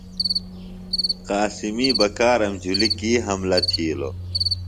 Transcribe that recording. قاسمی بکارم جُھلیۡ کی حملہ تِھیلوۡ؟